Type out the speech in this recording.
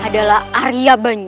adalah arya banyu